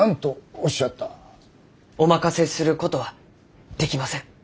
お任せすることはできません。